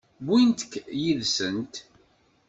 Wwint-k yid-sent?